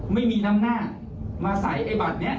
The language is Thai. ไม่มีน้ำหน้ามาใส่ไอ้บัตรนี้